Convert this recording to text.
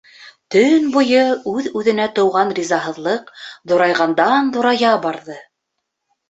Төн буйы үҙ-үҙенә тыуған ризаһыҙлыҡ ҙурайғандан-ҙурая барҙы.